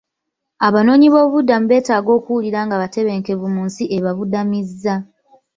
Abanoonyiboobubudamu beetaaga okuwulira nga batebenkevu mu nsi ebabudamizza.